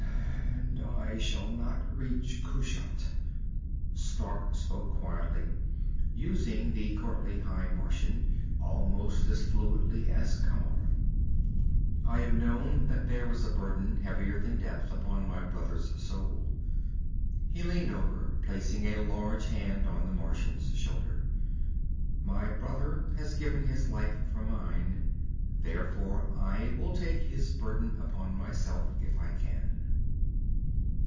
"And I shall not reach Kushat!" Stark spoke quietly, using the courtly High Martian almost as fluently as Camar. "I have known that there was a burden heavier than death upon my brother's soul." He leaned over, placing one large hand on the Martian's shoulder. "My brother has given his life for mine. Therefore, I will take his burden upon myself, if I can."